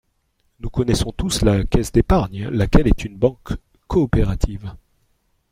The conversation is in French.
Nous connaissons tous la Caisse d’épargne, laquelle est une banque coopérative.